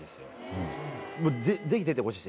ぜひ出てほしいです。